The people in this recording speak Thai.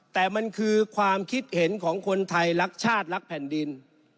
แต่มันคือความคิดเห็นของคนไทยรักชาติรักแผ่นดิน